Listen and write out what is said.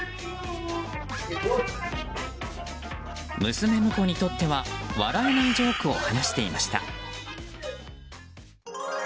娘婿にとっては笑えないジョークを話していました。